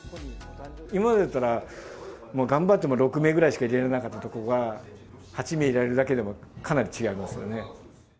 今までだったら、頑張って６名ぐらいしか入れられなかったところが、８名入れられるだけでも、かなり違いますよね。